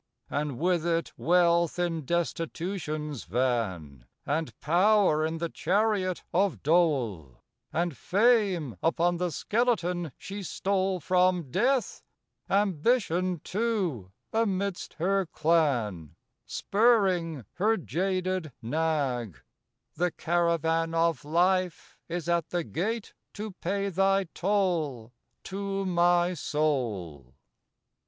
And with it Wealth in Destitution's van, And power in the chariot of Dole, And Fame upon the skeleton she stole From Death, Ambition, too, amidst her clan, Spurring her jaded nag:—the Caravan Of Life is at the gate to pay thy toll To my soul.